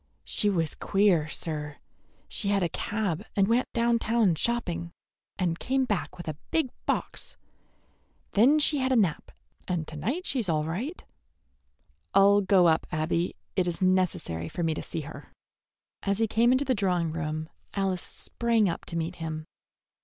She was queer, sir. She had a cab and went down town shopping, and came back with a big box. Then she had a nap, and to night she's all right." "I'll go up, Abby. It is necessary for me to see her." As he came into the drawing room Alice sprang up to meet him.